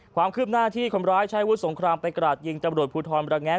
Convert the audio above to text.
ความคืบหน้าที่คนร้ายใช้วุฒิสงครามไปกราดยิงตำรวจภูทรประแงะ